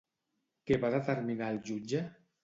Què va determinar el jutge?